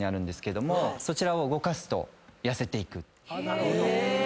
なるほど。